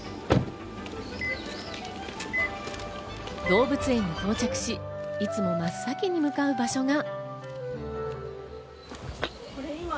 動物園に到着し、いつも真っ先に向かう場所が。